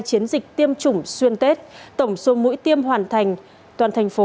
chiến dịch tiêm chủng xuyên tết tổng số mũi tiêm hoàn thành toàn thành phố